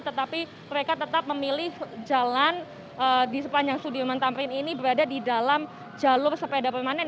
tetapi mereka tetap memilih jalan di sepanjang sudirman tamrin ini berada di dalam jalur sepeda permanen